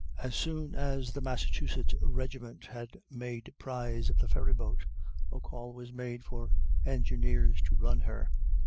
As soon as the Massachusetts Regiment had made prize of the ferry boat, a call was made for engineers to run her.